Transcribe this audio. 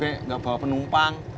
enggak bawa penumpang